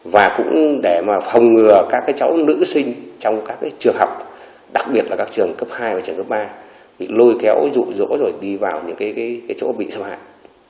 và cũng để mà phòng ngừa các cháu nữ sinh trong các trường học đặc biệt là các trường cấp hai và trường cấp ba bị lôi kéo rụ rỗ rồi đi vào những chỗ bị sâu hạn